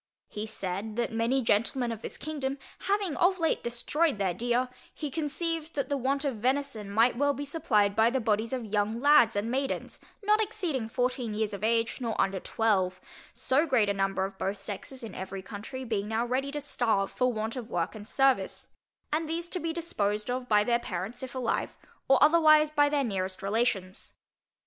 He said, that many gentlemen of this kingdom, having of late destroyed their deer, he conceived that the want of venison might be well supplied by the bodies of young lads and maidens, not exceeding fourteen years of age, nor under twelve; so great a number of both sexes in every county being now ready to starve for want of work and service: and these to be disposed of by their parents if alive, or otherwise by their nearest relations.